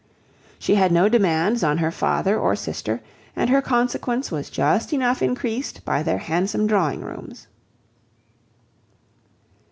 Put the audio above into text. She had no demands on her father or sister, and her consequence was just enough increased by their handsome drawing rooms.